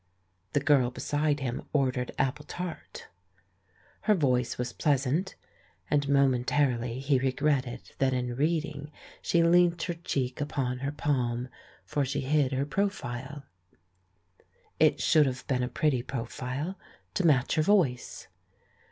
The girl be side him ordered apple tart. Her voice was pleasant, and momentarily he regretted that in reading she leant her cheek upon her palm, for she hid her profile. It should have been a pretty profile, to match her voice.